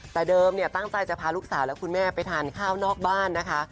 แต่เดิมเนี่ยตั้งใจจะพาลูกสาวและคุณแม่ไปทานข้าวนอกบ้านนะคะ